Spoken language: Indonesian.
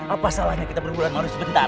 apa salahnya kita berbulan maru sebentar